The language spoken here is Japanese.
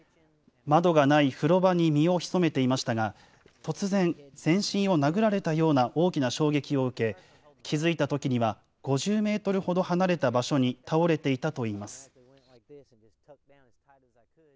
窓がない風呂場に身を潜めていましたが、突然、全身を殴られたような大きな衝撃を受け、気付いたときには５０メートルほど離れた場所に倒れていたといいます。